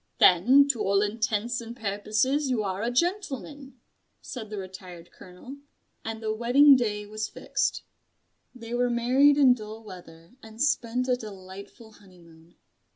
"Then to all intents and purposes you are a gentleman," said the Retired Colonel; and the wedding day was fixed. They were married in dull weather, and spent a delightful honeymoon.